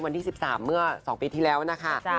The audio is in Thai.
วันที่๑๓เมื่อ๒ปีที่แล้วนะคะ